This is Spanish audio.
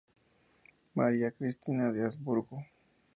María Cristina de Habsburgo.